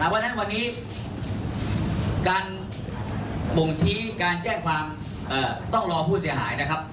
เพราะฉะนั้นวันนี้การบ่งชี้การแจ้งความต้องรอผู้เสียหายนะครับ